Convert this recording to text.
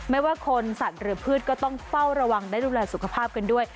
ไม่ว่าคนสัตว์หรือพืชก็ต้องเฝ้าระวังได้ดูแลสุขภาพกันด้วย